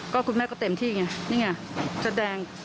ก็คุณแม่ก็เต็มที่ไงนี่ไงแสดง